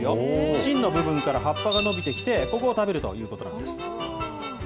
芯の部分から葉っぱが伸びてきて、ここを食べるということなんです。